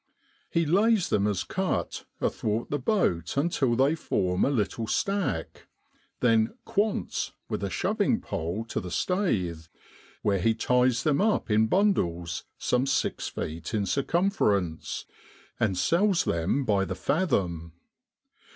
He lays them as cut athwart the boat until they form a little stack, then 4 quants ' with a shoving pole to the staith, where he ties them up in bundles some six feet in circumference, and sells them by the fathom.